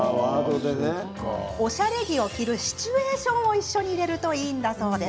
おしゃれ着を着るシチュエーションを一緒に入れるといいんだそう。